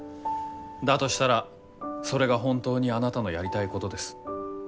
だとしたらそれが本当にあなたのやりたいことです。